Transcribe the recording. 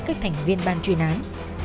các thành viên ban truyền án